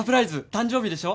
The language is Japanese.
誕生日でしょ？